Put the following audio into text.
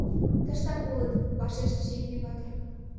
— Тыштак улыт, — вашештыш Епи вате.